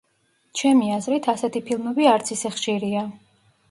ჩემი აზრით, ასეთი ფილმები არც ისე ხშირია.